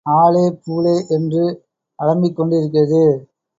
ஆலே பூலே என்று அலம்பிக் கொண்டிருக்கிறது.